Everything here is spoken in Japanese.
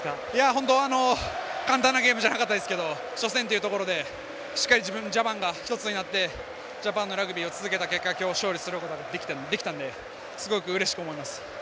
本当、簡単なゲームじゃなかったですけど初戦ということでしっかり自分のジャパンが１つになってジャパンのラグビーを続けた結果今日、勝利することができたのですごくうれしく思います。